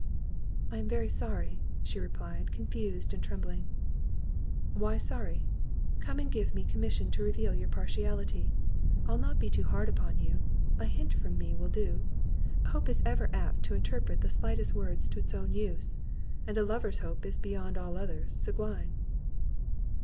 "I am very sorry," she replied, confused and trembling. "Why sorry? Come give me commission to reveal your partiality. I'll not be too hard upon you—a hint from me will do. Hope is ever apt to interpret the slightest words to its own use, and a lover's hope is beyond all others, sanguine."